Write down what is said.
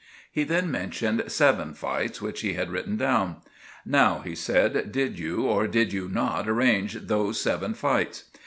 He then mentioned seven fights which he had written down. "Now," he said, "did you or did you not arrange those seven fights?"